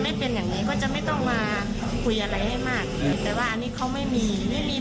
แม่จะไปดูที่โรงพันย์ยังไม่มี